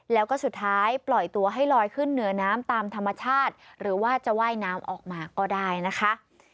แล้วก็สุดท้ายปล่อยตัวให้ลอยขึ้นเหนือน้ำตามธรรมชาติหรือว่าจะว่ายน้ำออกมาก็ได้นะคะ